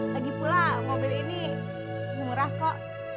lagipula mobil ini murah kok